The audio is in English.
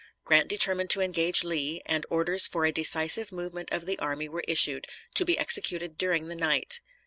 Grant determined to engage Lee, and orders for a decisive movement of the army were issued, to be executed during the night.